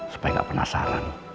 supaya gak penasaran